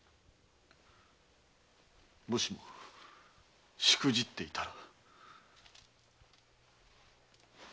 もしもしくじっていたら？